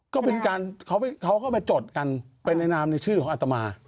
ก็เป็นการเขาก็มาจดกันไปในนามในชื่อของอัตมา